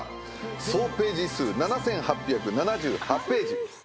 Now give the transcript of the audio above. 総ページ数７，８７８ページ。